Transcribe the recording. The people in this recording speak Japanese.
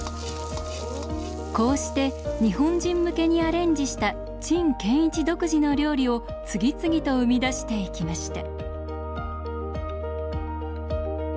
こうして日本人向けにアレンジした陳建一独自の料理を次々と生み出していきました。